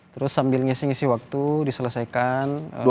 terus sambil ngisi ngisi waktu diselesaikan